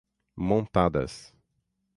Montadas